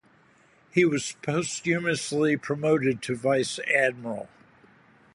He was posthumously promoted to vice admiral.